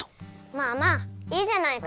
まあまあいいじゃないか。